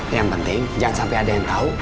yang penting jangan sampai ada yang tahu